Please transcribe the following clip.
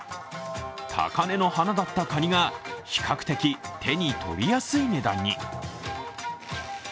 高根の花だったかにが比較的手に取りやすい値段に。